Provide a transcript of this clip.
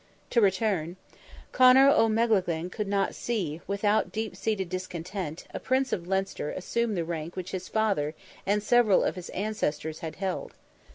To return: Conor O'Melaghlin could not see, without deep seated discontent, a Prince of Leinster assume the rank which his father and several of his ancestors had held.